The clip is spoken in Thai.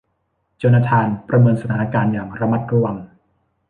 โจนาธานประเมินสถานการณ์อย่างระมัดระวัง